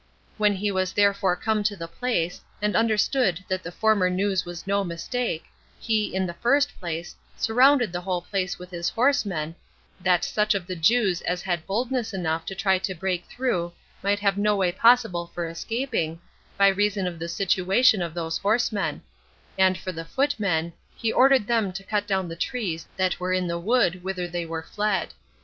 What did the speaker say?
When he was therefore come to the place, and understood that the former news was no mistake, he, in the first place, surrounded the whole place with his horsemen, that such of the Jews as had boldness enough to try to break through might have no way possible for escaping, by reason of the situation of these horsemen; and for the footmen, he ordered them to cut down the trees that were in the wood whither they were fled.